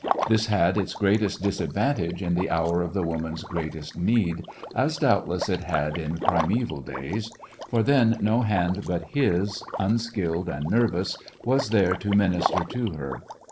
This had its greatest disadvantage in the hour of the woman's greatest need — as doubtless it had in primeval daysl — for then no hand but his, unskilled and nervous, was there to minister to her.